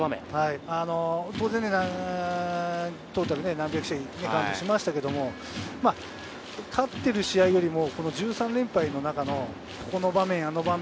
当然トータル何百試合やりましたけれど、勝ってる試合よりも１３連敗の中のこの場面、あの場面